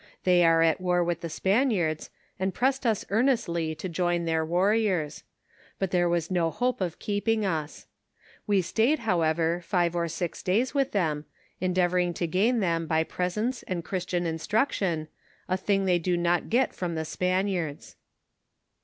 They are at war with the Spaniards, and pressed us earnestly to join their warriors ; but there was no hope of keeping us. We stayed, however, five or six days with them, endeavoring to gain them by pres ents and Christian instruction, a thing they do not get from the Spaniards.